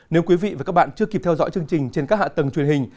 nếu chưa kịp theo dõi chương trình trên các hạ tầng truyền hình